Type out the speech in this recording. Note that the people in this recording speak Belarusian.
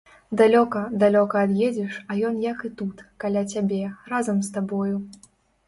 Далёка, далёка ад'едзеш, а ён як і тут, каля цябе, разам з табою.